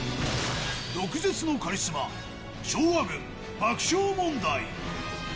毒舌のカリスマ、昭和軍、爆笑問題。